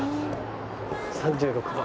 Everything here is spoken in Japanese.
３６番。